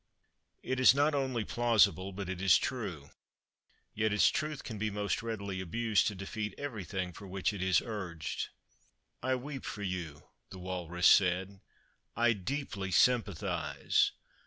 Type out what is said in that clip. It is not only plausible, but it is true. Yet its truth can be most readily abused to defeat everything for which it is urged. "'I weep for you,' the walrus said; 'I deeply sympathize.'